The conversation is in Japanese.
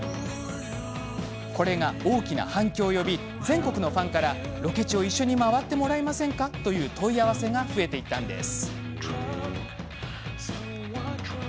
これが大きな反響を呼び全国のファンから、ロケ地を一緒に回ってもらえませんかという問い合わせが増えていったんです。